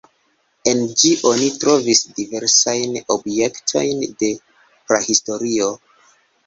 En ĝi oni trovis diversajn objektojn de prahistorio.